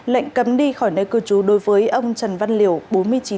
lệnh cấm đi khỏi nơi cư trú đối với ông trần văn liều bốn mươi chín tuổi